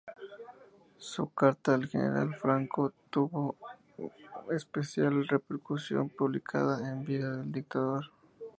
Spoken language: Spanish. Su "Carta al General Franco" tuvo especial repercusión, publicada en vida del dictador.